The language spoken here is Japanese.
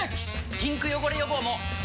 ピンク汚れ予防も！